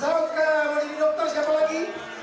zaunka mau jadi dokter siapa lagi